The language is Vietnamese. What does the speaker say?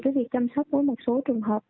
thì việc chăm sóc với một số trường hợp